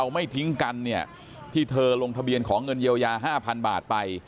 ไม่ทิ้งกันเนี่ยที่เธอลงทะเบียนขอเงินเยียวยา๕๐๐๐บาทไป